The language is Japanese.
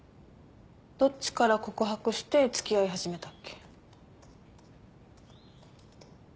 どっちから告白して付き合い始めたっけ？